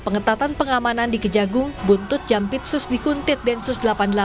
pengetatan pengamanan di kejagung buntut jampit sus di kuntit densus delapan puluh delapan